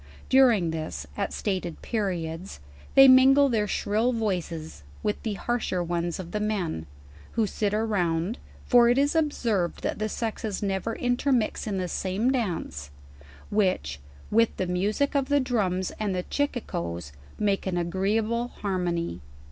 During this, at stated periods, they mingle their shrill voices, with the rnarser ones of the men, who sit around (for it is observed that the sexes never intermix in the same dance) which, with the music of the drums and chi r cicoes, make an agreeable harn ony.